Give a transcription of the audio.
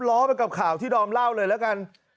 ล้อไปกับข่าวที่ดอมเล่าเลยแล้วกัน